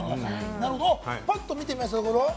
なるほど、ぱっと見てみましょう。